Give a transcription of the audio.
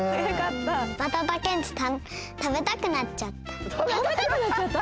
バタタ・ケンチたべたくなっちゃった。